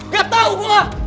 gak tau gua